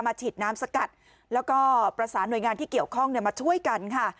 ฉีดน้ำสกัดแล้วก็ประสานหน่วยงานที่เกี่ยวข้องมาช่วยกันค่ะ